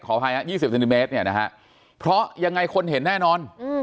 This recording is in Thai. ขออภัยฮะยี่สิบเซนติเมตรเนี้ยนะฮะเพราะยังไงคนเห็นแน่นอนอืม